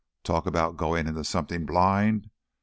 Talk about going into something blind!